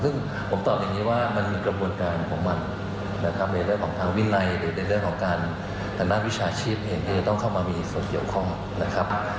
ซึ่งผมตอบอย่างนี้ว่ามันมีกระบวนการของมันนะครับในเรื่องของทางวินัยหรือในเรื่องของการทางด้านวิชาชีพเองที่จะต้องเข้ามามีส่วนเกี่ยวข้องนะครับ